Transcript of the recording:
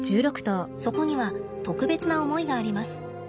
そこには特別な思いがあります。